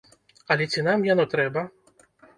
Але ці нам яно трэба?